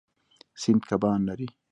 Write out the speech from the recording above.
سیند کبان لري.